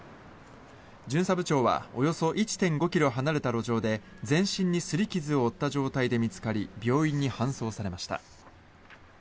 巡査部長はおよそ１．５ｋｍ離れた路上で全身にすり傷を負った状態で見つかり病院に搬送されました。